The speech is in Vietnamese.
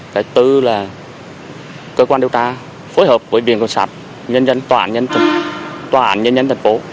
cái tư là cơ quan điều tra phối hợp với viện công sát nhân dân tòa ảnh nhân dân thành phố